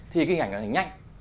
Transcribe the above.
thì cái hình ảnh nó hình nhanh